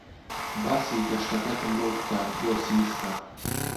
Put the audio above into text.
باسی گەشتەکەتم بۆ بکە بۆ سویسرا.